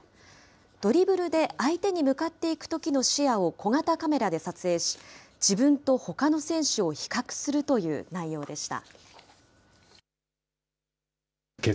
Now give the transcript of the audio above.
ドリブルで相手に向かっていくときの視野を小型カメラで撮影し、自分とほかの選手を比較するという内容でした。